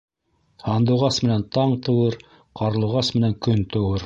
Һандуғас менән таң тыуыр, ҡарлуғас менән көн тыуыр.